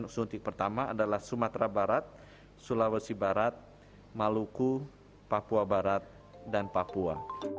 suntik pertama adalah sumatera barat sulawesi barat maluku papua barat dan papua